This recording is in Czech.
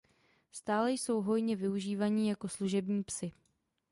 Stále jsou hojně využívání jako služební psi.